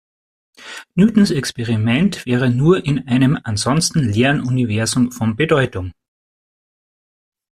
Newtons Experiment wäre nur in einem ansonsten leeren Universum von Bedeutung.